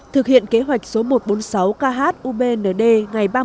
thực hiện kế hoạch số một trăm bốn mươi sáu kh ubnd ngày ba mươi